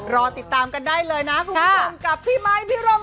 รอติดตามกันได้เลยนะคุณผู้ชมกับพี่ไมค์พี่รม